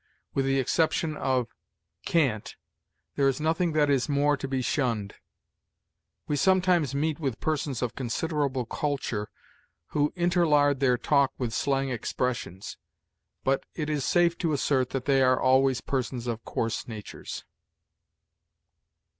With the exception of cant, there is nothing that is more to be shunned. We sometimes meet with persons of considerable culture who interlard their talk with slang expressions, but it is safe to assert that they are always persons of coarse natures.